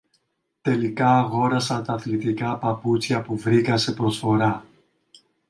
Τελικά αγόρασα τα αθλητικά παπούτσια που βρήκα σε προσφορά.